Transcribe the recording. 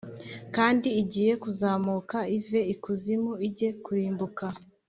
kandi igiye kuzamuka ive ikuzimu ijye kurimbuka.